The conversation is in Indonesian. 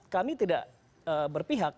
kami tidak berpihak